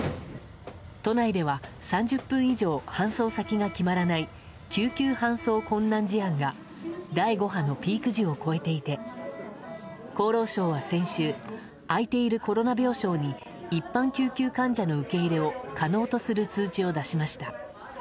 都内では３０分以上、搬送先が決まらない救急搬送困難事案が第５波のピーク時を超えていて厚労省は先週空いているコロナ病床に一般救急患者の受け入れを可能とする通知を出しました。